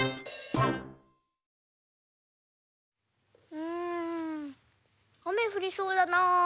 うんあめふりそうだな。